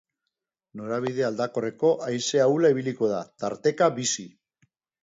Norabide aldakorreko haize ahula ibiliko da, tarteka bizi.